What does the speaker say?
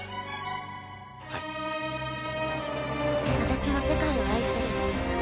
私も世界を愛してる。